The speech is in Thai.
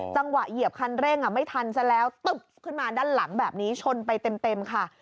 เหยียบคันเร่งไม่ทันซะแล้วตึ๊บขึ้นมาด้านหลังแบบนี้ชนไปเต็มค่ะ